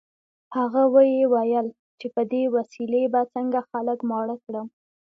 هغه ویې ویل چې په دې وسیلې به څنګه خلک ماړه کړم